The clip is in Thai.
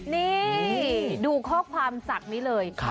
นี่ดูข้อความจากนี้เลย